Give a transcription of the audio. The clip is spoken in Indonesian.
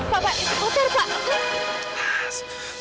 bapak itu kotor pak